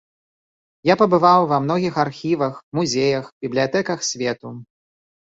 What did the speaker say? Я пабываў ва многіх архівах, музеях, бібліятэках свету.